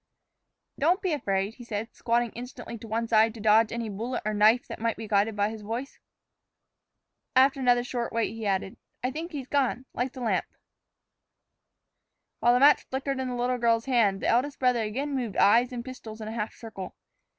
"Don't be afraid," he said, squatting instantly to one side to dodge any bullet or knife that might be guided by his voice. After another short wait he added, "I think he's gone. Light the lamp." While the match flickered in the little girl's hand, the eldest brother again moved eyes and pistols in a half circle.